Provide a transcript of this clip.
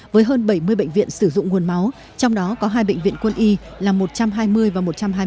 với hơn bảy mươi bệnh viện sử dụng nguồn máu trong đó có hai bệnh viện quân y là một trăm hai mươi và một trăm hai mươi